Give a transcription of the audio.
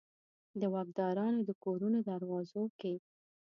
د واکدارانو د کورونو دروازو کې